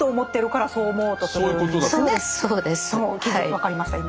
分かりました今。